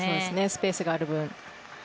スペースがある分。